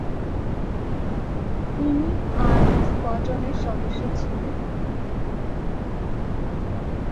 তিনি 'আই' স্কোয়াড্রনের সদস্য ছিলেন।